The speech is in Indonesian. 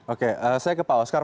oke saya ke pak oscar